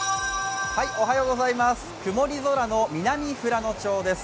曇り空の南富良野町です。